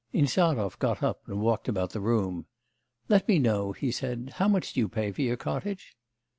Insarov got up and walked about the room. 'Let me know,' he said, 'how much do you pay for your cottage?